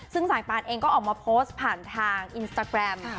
ซึ่งสายปานเองก็ออกมาโพสต์ผ่านทางอินสตาแกรม